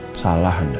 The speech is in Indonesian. musik salah anda